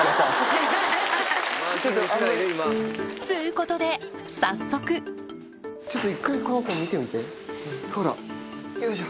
っつうことで早速ちょっと１回この子見てみてほらよいしょ。